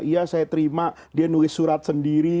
iya saya terima dia nulis surat sendiri